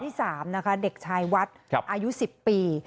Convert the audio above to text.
คนที่สามนะคะเด็กชายวัตน์อายุ๑๐ปี